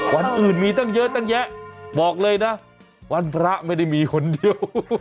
วันอื่นมีตั้งเยอะตั้งแยะบอกเลยนะวันพระไม่ได้มีคนเดียว